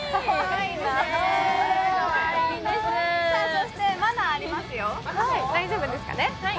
そしてまだありますよ、大丈夫ですかね。